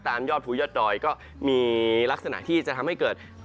ยอดภูยอดดอยก็มีลักษณะที่จะทำให้เกิด